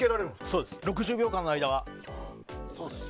そうです、６０秒間の間は。